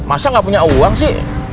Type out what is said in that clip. masa nggak punya uang sih